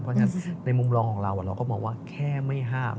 เพราะฉะนั้นในมุมลองของเราเราก็มองว่าแค่ไม่ห้าม